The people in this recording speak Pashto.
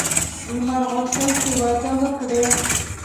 لمر غوښتل چې واده وکړي.